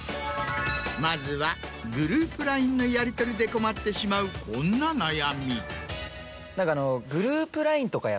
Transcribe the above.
まずはグループＬＩＮＥのやりとりで困ってしまうこんな悩み。